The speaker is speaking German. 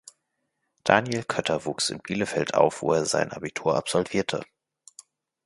Daniel Kötter wuchs in Bielefeld auf wo er sein Abitur absolvierte.